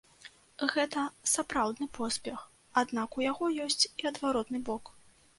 Гэта сапраўдны поспех, аднак у яго ёсць і адваротны бок.